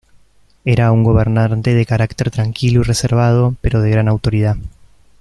Era un gobernante de carácter tranquilo y reservado, pero de gran autoridad.